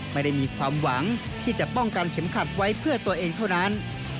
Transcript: ไม่ได้มีความหวังที่จะป้องกันเข็มขัดไว้เพื่อตัวเองเท่านั้น